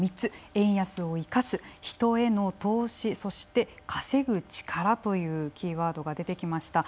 円安を生かす人への投資そして稼ぐ力というキーワードが出てきました。